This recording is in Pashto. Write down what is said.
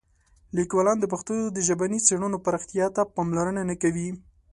لیکوالان د پښتو د ژبني څېړنو پراختیا ته پاملرنه نه کوي.